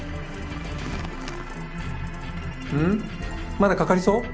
まだかかりそう？